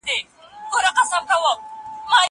زه به چپنه پاک کړې وي؟